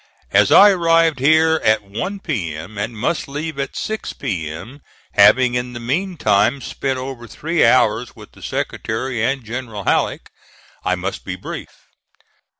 As I arrived here at one P.M., and must leave at six P.M., having in the meantime spent over three hours with the Secretary and General Halleck, I must be brief.